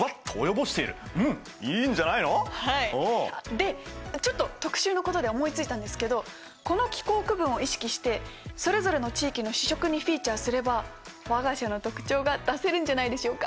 でちょっと特集のことで思いついたんですけどこの気候区分を意識してそれぞれの地域の主食にフィーチャーすれば我が社の特徴が出せるんじゃないでしょうか。